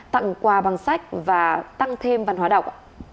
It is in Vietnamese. tặng quà bằng sách và tăng thêm văn hóa đọc